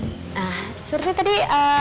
nah surti tadi